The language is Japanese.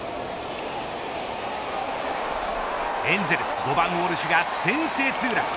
エンゼルス５番ウォルシュが先制ツーラン。